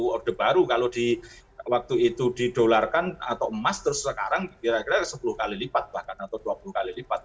orde baru kalau waktu itu didolarkan atau emas terus sekarang kira kira sepuluh kali lipat bahkan atau dua puluh kali lipat